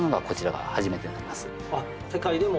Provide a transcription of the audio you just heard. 世界でも？